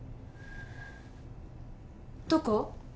どこ？